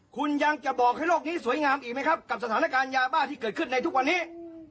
คุณยังจะบอกให้โลกนี้สวยงามอีกไหมครับกับสถานการณ์ยาบ้าที่เกิดขึ้นในทุกวันนี้